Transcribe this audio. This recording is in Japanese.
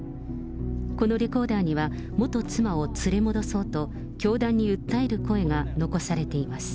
このレコーダーには、元妻を連れ戻そうと、教団に訴える声が残されています。